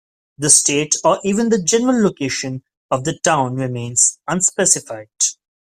The state or even the general location of the town remains unspecified.